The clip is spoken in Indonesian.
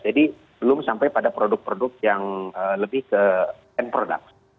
jadi belum sampai pada produk produk yang lebih ke end product